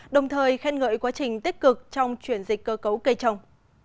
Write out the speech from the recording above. đồng thời khen ngợi quá trình tích cực trong chuyển dịch cơ cấu cây trồng